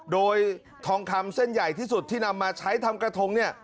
โดยทองคำเส้นใหญ่ที่สุดที่นำมาใช้ทำกระทงเนี่ย